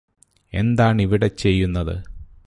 എന്താണിവിടെ ചെയ്യുന്നത്